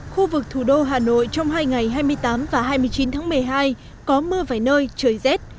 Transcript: khu vực thủ đô hà nội trong hai ngày hai mươi tám và hai mươi chín tháng một mươi hai có mưa vài nơi trời rét